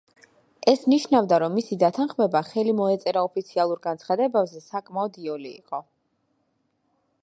ეს ნიშნავდა, რომ მისი დათანხმება, ხელი მოეწერა ოფიციალურ განცხადებებზე, საკმაოდ იოლი იყო.